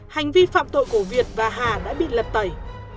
hành vi phạm tội của việt và hà đã bị lật tẩy